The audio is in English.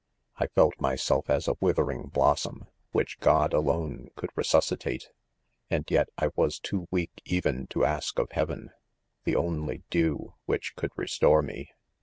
I felt my self as a withering blossom, which God alone ? could resuscitate \ and yet, I was too weak even to ask of heaven, the only dew which could restore me.